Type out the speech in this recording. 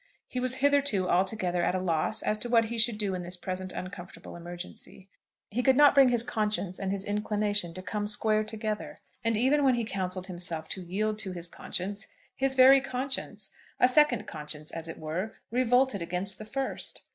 He was hitherto altogether at a loss as to what he should do in this present uncomfortable emergency. He could not bring his conscience and his inclination to come square together. And even when he counselled himself to yield to his conscience, his very conscience, a second conscience, as it were, revolted against the first.